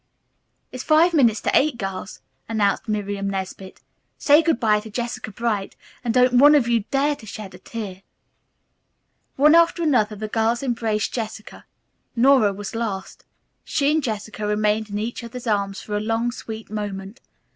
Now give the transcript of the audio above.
"It's five minutes to eight, girls," announced Miriam Nesbit. "Say good bye to Jessica Bright, and don't one of you dare to shed a tear." One after another the girls embraced Jessica. Nora was last. She and Jessica remained in each other's arms for a long, sweet moment.